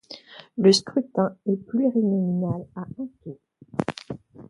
Le scrutin est plurinominal à un tour.